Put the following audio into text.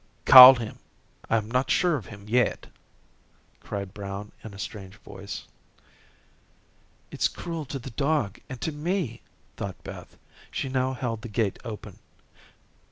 "Call him. I am not sure of him yet," cried Brown in a strange voice. "It's cruel to the dog and to me," thought Beth. She now held the gate open.